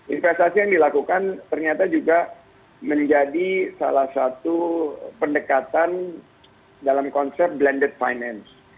investasi yang dilakukan ternyata juga menjadi salah satu pendekatan dalam konsep blended finance